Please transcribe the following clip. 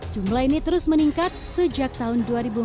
jumlah ini terus meningkat sejak tahun dua ribu empat belas